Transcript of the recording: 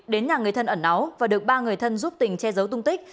đến nhà người thân ẩn náu và được ba người thân giúp tình che giấu tung tích